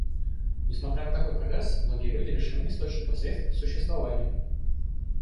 Несмотря на такой прогресс, многие люди лишены источников средств к существованию.